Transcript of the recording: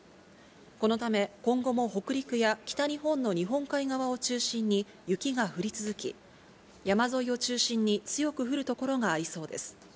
このため、今後も北陸や北日本の日本海側を中心に、雪が降り続き、山沿いを中心に、強く降る所がありそうです。